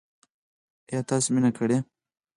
ایا تاسو مینه کړې؟